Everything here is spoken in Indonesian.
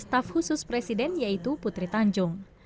staf khusus presiden yaitu putri tanjung